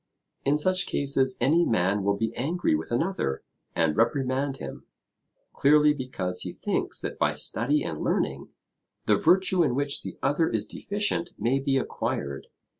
In such cases any man will be angry with another, and reprimand him, clearly because he thinks that by study and learning, the virtue in which the other is deficient may be acquired.